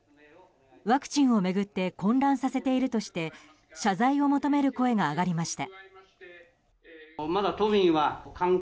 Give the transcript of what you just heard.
ワクチンを巡って混乱させているとして謝罪を求める声が上がりました。